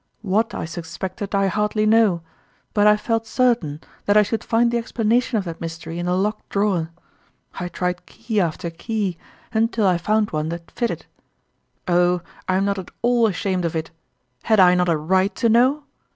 What I sus pected I hardly know ; but I felt certain that I should find the explanation of that mystery in the locked drawer. I tried key after key, until I found one that fitted. Oh, I am. not at all ashamed of it ! Had I not a right to know